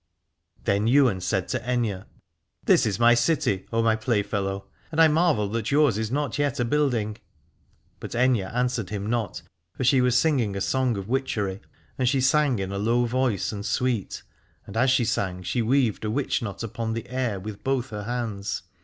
Then Ywain said to Aithne : This is my city, O my playfellow, and I marvel that yours is not yet a building. But Aithne an swered him not, for she was singing a song of witchery : and she sang in a low voice and sweet, and as she sang she weaved a witch knot upon the air with both her hands.